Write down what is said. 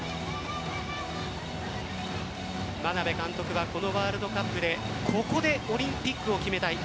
眞鍋監督はこのワールドカップでここでオリンピックを決めたい。